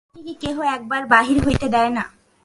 তাহাকে কি কেহ একবার বাহির হইতে দেয় না?